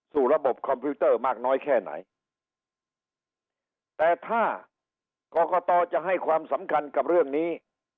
ระบบคอมพิวเตอร์มากน้อยแค่ไหนแต่ถ้ากรกตจะให้ความสำคัญกับเรื่องนี้